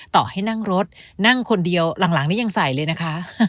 ต่อให้นั่งรถนั่งคนเดียวหลังนี้ยังใส่เลยนะคะ